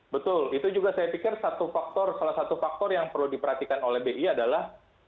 betul itu juga saya pikir salah satu faktor yang perlu diperhatikan oleh bi adalah